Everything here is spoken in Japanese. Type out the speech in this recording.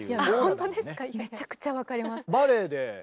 めちゃくちゃ分かります。